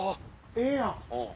ええやん！